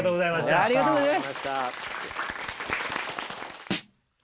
ありがとうございます。